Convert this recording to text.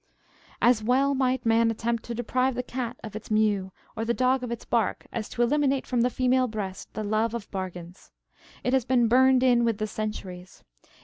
As well might man attempt to deprive the cat of its mew or the dog of its bark as to eliminate from the female breast the love of bargains. It has been burned in with the centuries.